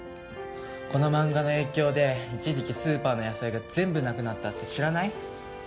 この漫画の影響で一時期スーパーの野菜が全部なくなったって知らない？